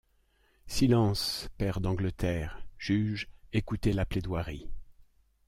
Silence, pairs d’Angleterre! juges, écoutez la plaidoirie.